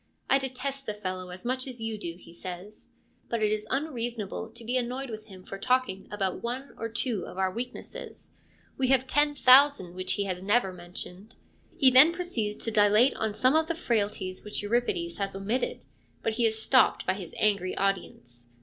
' I detest the fellow as much as you do,' he says ;' but it is unreasonable to be annoyed with him for talking about one or two of our weaknesses — we have ten thousand which ARISTOPHANES 157 he has never mentioned.' He then proceeds to dilate on some of the frailties which Euripides has omitted ; but he is stopped by his angry audience.